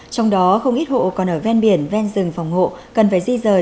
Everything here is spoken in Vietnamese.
trong đó không ít hộ còn ở ven biển ven rừng phòng hộ cần phải di rời